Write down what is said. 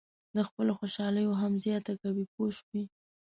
د خپلو خوشالیو هم زیاته کوئ پوه شوې!.